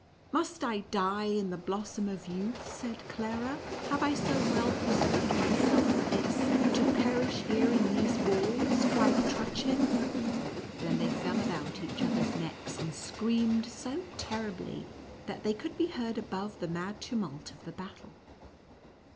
" Must I die in the blossom of youth V said Clara. " Have I so well preserved myself for this, to perish here in these NÜTCEACKEB AND MOUSE KING. 43 walls ?" cried Trutchen. Then they fell about each, other's necks, and screamed so terribly, that they could be heard above the mad tumult of the battle.